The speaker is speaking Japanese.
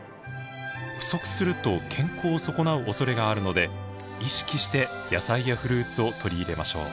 不足すると健康を損なうおそれがあるので意識して野菜やフルーツを取り入れましょう。